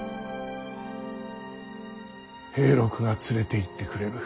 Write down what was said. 平六が連れていってくれる。